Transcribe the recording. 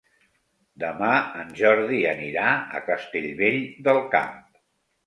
Demà en Jordi anirà a Castellvell del Camp.